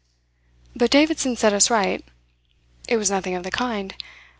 But Davidson set us right. It was nothing of the kind.